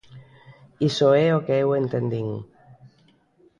Iso é o que eu entendín.